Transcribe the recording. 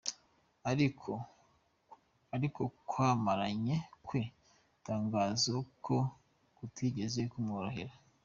Ariko kwamamra kwe atangaza ko kutigeze kumworohera.